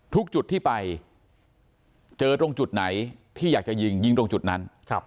ทุกจุดที่ไปเจอตรงจุดไหนที่อยากจะยิงยิงตรงจุดนั้น